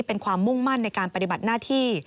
เป็นความมุ่งมั่นในการปฏิบัติหน้าที่